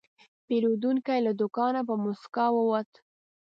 پیرودونکی له دوکانه په موسکا ووت.